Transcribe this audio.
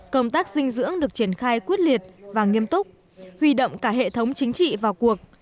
công tác dinh dưỡng được triển khai quyết liệt và nghiêm túc huy động cả hệ thống chính trị vào cuộc